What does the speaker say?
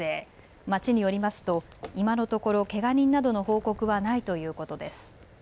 町によりますと今のところけが人などの報告はないということです。